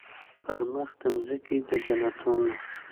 پر مخ د مځکي د جنتونو